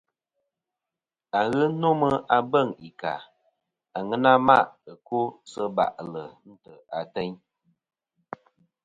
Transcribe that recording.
Aghɨ nomɨ a beŋ i ka àŋena ma' ɨkwo sɨ bà'lɨ ntè' ateyn.